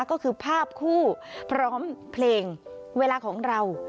ก็คือภาพคู่พร้อมเพลงเวลาของเรา